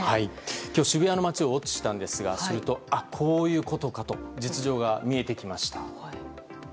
きょう、渋谷の街をウォッチしたんですが、あっ、こういうことかと、実情が見えてきました。